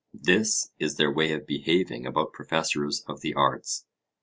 This is their way of behaving about professors of the arts.